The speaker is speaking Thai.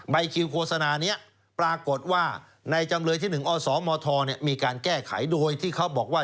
คิวโฆษณานี้ปรากฏว่าในจำเลยที่๑อสมทมีการแก้ไขโดยที่เขาบอกว่า